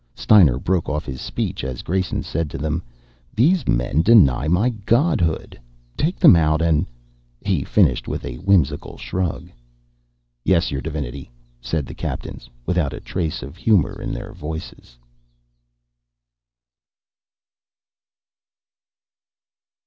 Steiner broke off his speech as Grayson said to them: "These men deny my godhood. Take them out and " he finished with a whimsical shrug. "Yes, your divinity," said the captains, without a trace of humor in their voices.